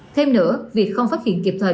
thêm nữa việc không phát hiện kịp thời